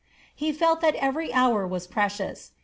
He felt that every hour was precious.